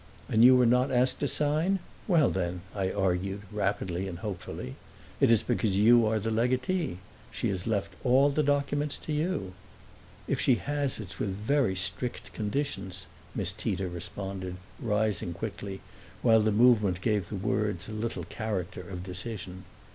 And you were not asked to sign? Well then," I argued rapidly and hopefully, "it is because you are the legatee; she has left all her documents to you!" "If she has it's with very strict conditions," Miss Tita responded, rising quickly, while the movement gave the words a little character of decision.